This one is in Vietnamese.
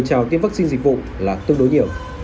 mời trả lời tiêm vaccine dịch vụ là tương đối nhiều